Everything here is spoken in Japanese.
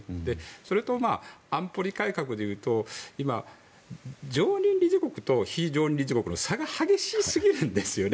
それと、安保理改革でいうと常任理事国と非常任理事国の差が激しすぎるんですよね。